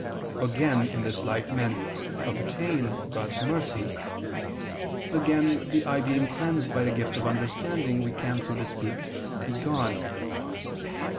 Again, in this life, men "obtain" God's "Mercy." Again, the eye being cleansed by the gift of understanding, we can, so to speak, "see God."